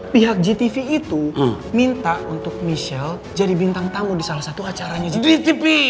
pihak gtv itu minta untuk michelle jadi bintang tamu di salah satu acaranya